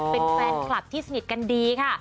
เป็นแฟนคลับที่สนิทกันดีค่ะ